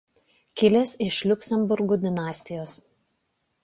Kilęs iš Liuksemburgų dinastijos.